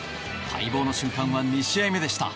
待望の瞬間は２試合目でした。